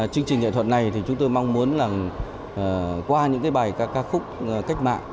chương trình nghệ thuật này chúng tôi mong muốn là qua những bài ca khúc cách mạng